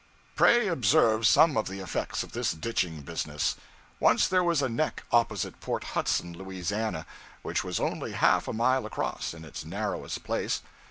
Pray observe some of the effects of this ditching business. Once there was a neck opposite Port Hudson, Louisiana, which was only half a mile across, in its narrowest place.